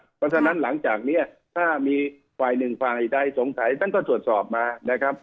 เพราะฉะนั้นหลังจากนี้ถ้ามีฝ่ายหนึ่งฝ่ายใดสงสัยท่านก็ตรวจสอบมานะครับ